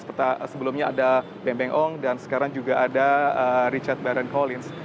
seperti sebelumnya ada bambang ong dan sekarang juga ada richard baron collins